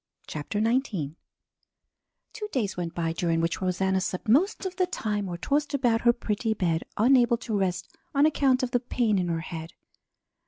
CHAPTER XIX Two days went by, during which Rosanna slept most of the time or tossed about her pretty bed, unable to rest on account of the pain in her head.